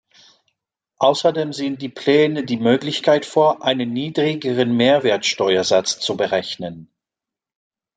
Außerdem sehen die Pläne die Möglichkeit vor, einen niedrigeren Mehrwertsteuersatz zu berechnen.